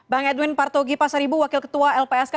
bang edwin partogi pasaribu wakil ketua lpsk